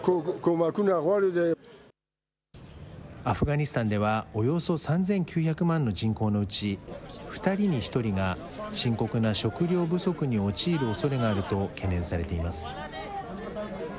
アフガニスタンでは、およそ３９００万の人口のうち、２人に１人が深刻な食料不足に陥るおそれがあると懸念されています。